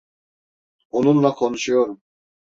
Onunla konuşuyorum.